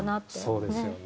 そうですよね。